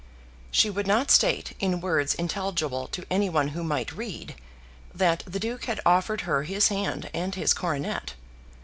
She would not state, in words intelligible to any one who might read, that the Duke had offered her his hand and his coronet.